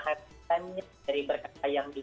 dia tidak mengingatkan dari perkataan yang lain